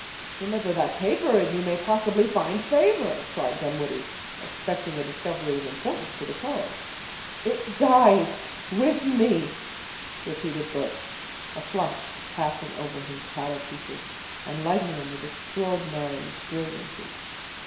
"Deliver that paper, and you may possibly find favor," cried Dunwoodie, expecting a discovery of importance to the cause. "It dies with me," repeated Birch, a flush passing over his pallid features, and lighting them with extraordinary brilliancy.